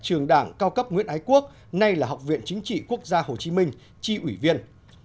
trường đảng cao cấp nguyễn ái quốc nay là học viện chính trị quốc gia hồ chí minh tri ủy viên